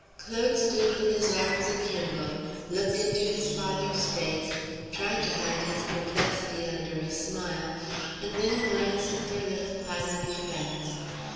Claude stood with his arms akimbo, looked into his father's face, tried to hide his perplexity under a smile, and then glanced at their little pile of effects.